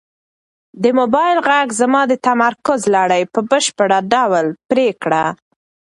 د موبایل غږ زما د تمرکز لړۍ په بشپړ ډول پرې کړه.